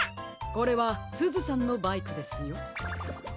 これはすずさんのバイクですよ。